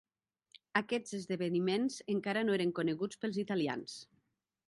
Aquests esdeveniments encara no eren coneguts pels italians.